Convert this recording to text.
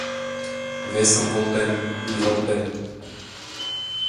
Весым волтем, рӱзалтем.